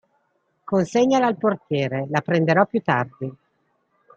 Consegnala al portiere, la prenderò più tardi.